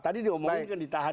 tadi diomongin kan ditahan